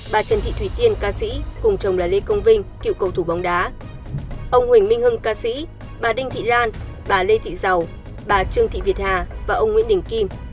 bà trần thị thủy tiên ca sĩ cùng chồng là lê công vinh cựu cầu thủ bóng đá ông huỳnh minh hưng ca sĩ bà đinh thị lan bà lê thị giàu bà trương thị việt hà và ông nguyễn đình kim